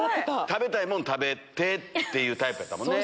食べたいもん食べてっていうタイプやったもんね。